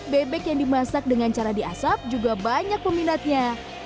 bebek yang dimasak dengan cara diasap juga banyak peminatnya